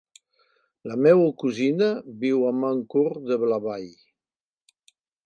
La meva cosina viu a Mancor de la Vall.